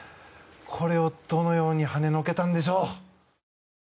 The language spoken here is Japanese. これをどのようにはねのけたんでしょう。